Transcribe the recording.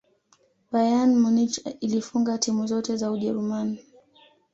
bayern munich ilifunga timu zote za ujeruman